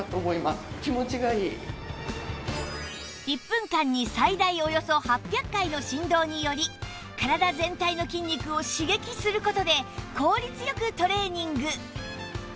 １分間に最大およそ８００回の振動により体全体の筋肉を刺激する事で効率よくトレーニング